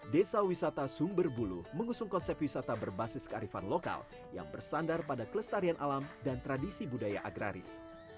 desa wisata sumber bulu mengusung konsep wisata berbasis kearifan lokal yang bersandar pada kelestarian alam dan tradisi budaya agraris